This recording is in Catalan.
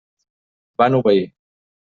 Van obeir.